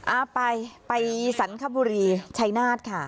อ่าไปไปสัณฐ์คบรีชัยนาศค่ะ